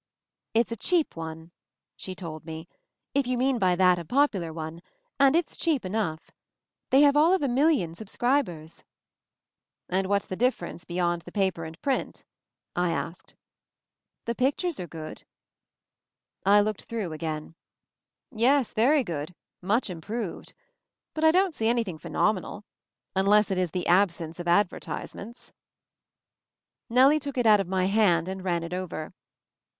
"It's a cheap one," she told me, "if you mean by that a popular one, and it's cheap enough. They have all of a million sub scribers." MOVING THE MOUNTAIN 23 "And what's the difference, beyond the paper and print?" I asked. "The pictures are good." I looked it through again. "Yes, very good, much improved. But I don't see anything phenomenal — unless it is the absence of advertisements." Nellie took it out of my hand and ran it over.